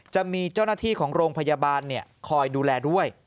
จะมีเจ้าหน้าที่ของโรงพยาบาลคอยดูแลด้วย